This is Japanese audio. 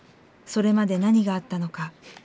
それまで何があったのか？